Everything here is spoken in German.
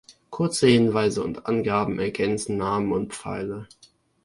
Kurze Hinweise und Angaben ergänzen Namen und Pfeile.